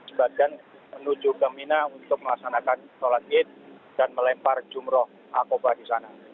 sebagian menuju ke mina untuk melaksanakan sholat id dan melempar jumroh akobah di sana